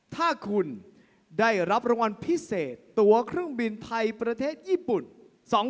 ถ้าคุณได้รับรางวัลพิเศษตัวเครื่องบินไทยประเทศญี่ปุ่น